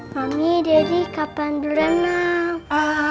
mami daddy kapan durianam